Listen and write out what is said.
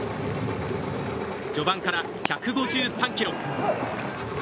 序盤から１５３キロ。